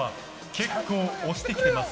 結構押してきてます。